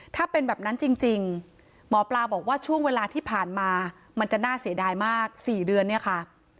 ถ้าเป็นแบบนั้นจริงหมอปลาบอกว่าช่วงเวลาที่ผ่านมามันจะน่าเสียดายมาก๔เดือนเนี่ยค่ะ